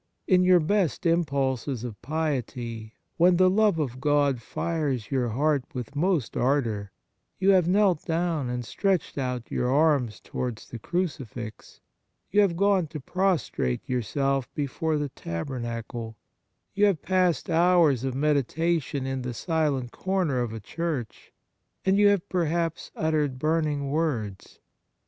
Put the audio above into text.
In your best impulses of piety, when the love of God fires your heart with most ardour, you have knelt down and stretched out your arms towards the crucifix, you have gone to prostrate yourself before the tabernacle, you have passed hours of meditation in the silent corner of a church, and you 65 E On Piety have perhaps uttered burning words.